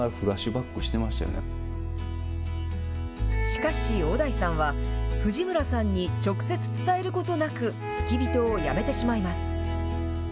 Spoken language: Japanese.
しかし、小田井さんは藤村さんに直接伝えることなく、付き人を辞めてしまいます。